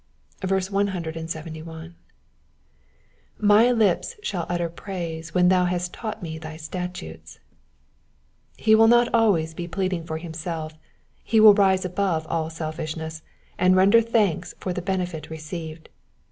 171. ^''My lips shall utter praise, tohen thou hast taught me thy statutes,''^ He will not always be pleading for himself, he will rise above all selfishness, and render thanks for the benefit received.